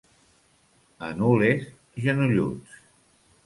A Nules, genolluts.